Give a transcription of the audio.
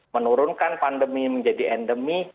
menurunkan pandemi menjadi endemi